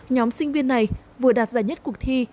nhóm sinh viên này vừa đạt giải nhất cuộc thi